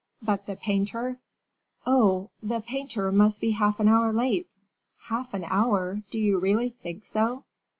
But the painter " "Oh! the painter must be half an hour late." "Half an hour do you really think so?"